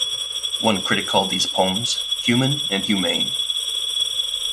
One critic called these poems "human and humane".